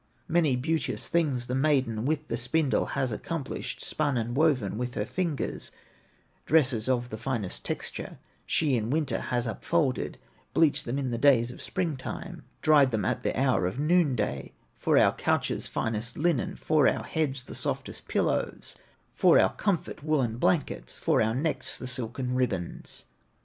Many beauteous things the maiden, With the spindle has accomplished, Spun and woven with her fingers; Dresses of the finest texture She in winter has upfolded, Bleached them in the days of spring time, Dried them at the hour of noon day, For our couches finest linen, For our heads the softest pillows, For our comfort woollen blankets, For our necks the silken ribbons."